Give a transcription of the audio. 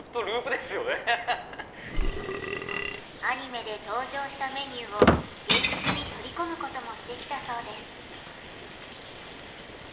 アニメで登場したメニューを現実に取り込むこともしてきたそうです。